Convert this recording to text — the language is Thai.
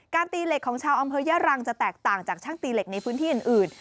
ตีเหล็กของชาวอำเภอย่ารังจะแตกต่างจากช่างตีเหล็กในพื้นที่อื่น